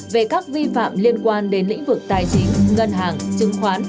về các vi phạm liên quan đến lĩnh vực tài chính ngân hàng chứng khoán